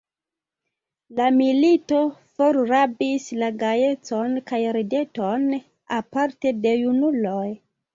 La milito forrabis la gajecon kaj rideton, aparte de junuloj.